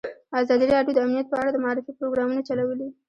ازادي راډیو د امنیت په اړه د معارفې پروګرامونه چلولي.